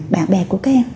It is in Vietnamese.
bạn bè của các em